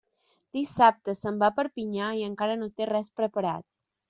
Dissabte se'n va a Perpinyà i encara no té res preparat.